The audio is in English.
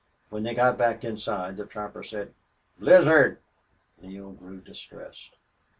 When they got back inside the trapper said: "Blizzard!" Neale grew distressed.